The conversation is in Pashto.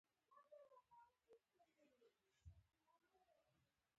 له واده وروسته یوه تل پټوه .